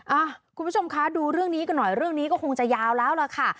อ่ะคุณผู้ชมคะดูเรื่องนี้กันหน่อยเรื่องนี้ก็คงจะยาวแล้วล่ะค่ะ